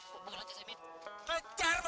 bukan cak semin